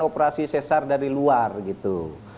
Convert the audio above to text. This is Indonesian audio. operasi sesar dari luar gitu